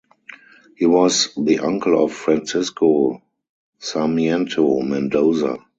He was the uncle of Francisco Sarmiento Mendoza.